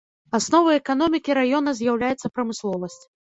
Асновай эканомікі раёна з'яўляецца прамысловасць.